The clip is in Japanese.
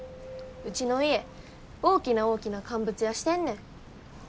ウチの家大きな大きな乾物屋してんねん。